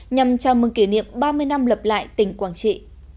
nhằm chào mừng kỷ niệm ba mươi năm lập lại tỉnh quảng trị